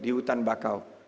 di hutan bakau